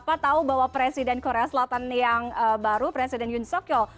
apa tahu bahwa presiden korea selatan yang baru presiden yun sokyo